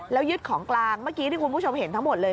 แล้วยึดของกลางเมื่อกี้ที่คุณผู้ชมเห็นทั้งหมดเลย